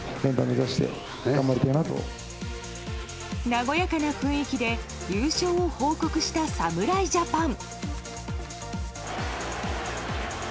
和やかな雰囲気で優勝を報告した侍ジャパン。